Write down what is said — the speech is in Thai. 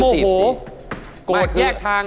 คือโมโหโกรธแยกทาง